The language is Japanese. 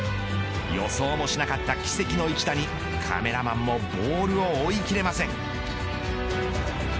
予想もしなかった奇跡の一打にカメラマンもボールを追いきれません。